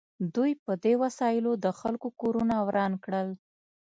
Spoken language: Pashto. دوی په دې وسایلو د خلکو کورونه وران کړل